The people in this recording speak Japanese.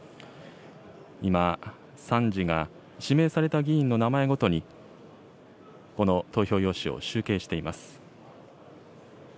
今、参事が指名された議員の名前ごとに、この投票用紙を集計しています。